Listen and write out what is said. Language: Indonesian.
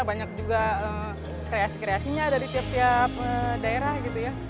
banyak juga kreasi kreasinya dari tiap tiap daerah gitu ya